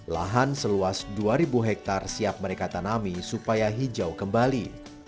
lahan seluas dua ribu hektare siap mereka tanami supaya hijau kembali